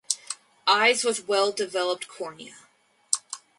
Eyes with well developed cornea.